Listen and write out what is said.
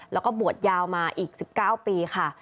แล้วก็บวชยาวมาอีก๑๙ปีค่ะ